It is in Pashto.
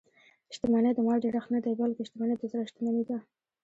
شتمني د مال ډېرښت نه دئ؛ بلکي شتمني د زړه شتمني ده.